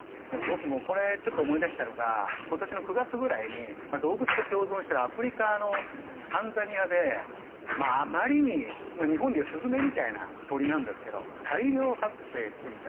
僕もこれちょっと思い出したのが今年の９月ぐらいに動物と共存してるアフリカのタンザニアでまああまりに日本でいうスズメみたいな鳥なんですけど大量発生しすぎちゃって。